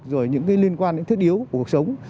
rồi những cái liên quan đến thiết yếu của cuộc sống